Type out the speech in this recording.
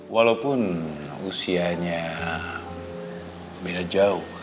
walaupun usianya beda jauh